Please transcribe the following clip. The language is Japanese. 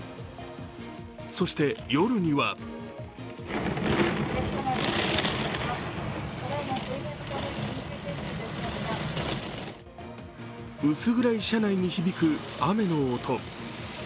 そして夜には薄暗い車内に響く雨の音。